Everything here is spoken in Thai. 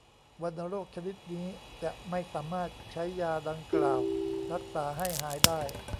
วัณโรคชนิดนี้จะไม่สามารถใช้ยาดังกล่าวรักษาให้หายได้